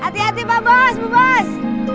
hati hati pak bos bu bos